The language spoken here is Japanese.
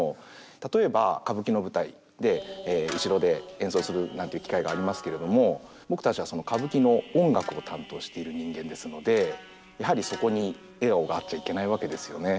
例えば歌舞伎の舞台で後ろで演奏するなんていう機会がありますけれども僕たちはやはりそこに笑顔があっちゃいけないわけですよね。